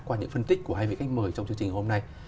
qua những phân tích của hai vị khách mời trong chương trình hôm nay